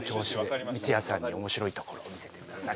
三津谷さんに面白いところを見せてください。